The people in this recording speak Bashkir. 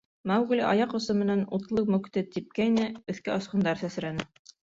— Маугли аяҡ осо менән утлы мүкте типкәйне, өҫкә осҡондар сәсрәне.